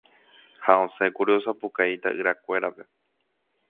ha osẽkuri osapukái ita'yrakuérape